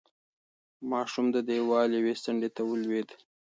ماشوم د دېوال یوې څنډې ته ولوېد.